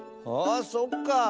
あそっか。